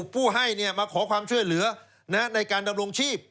ผู้ให้มาขอความช่วยเหลือในการดำรงชีพ